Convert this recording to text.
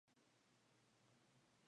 Murió en Roma.